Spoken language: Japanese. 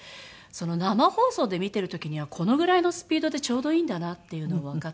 生放送で見ている時にはこのぐらいのスピードでちょうどいいんだなっていうのがわかって。